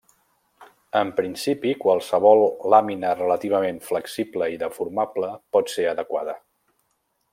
En principi qualsevol làmina relativament flexible i deformable pot ser adequada.